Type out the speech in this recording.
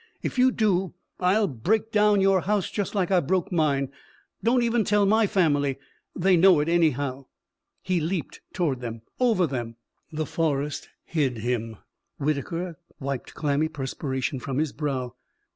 "If you do I'll break down your house just like I broke mine. Don't even tell my family. They know it, anyhow." He leaped. Toward them over them. The forest hid him. Whitaker wiped clammy perspiration from his brow.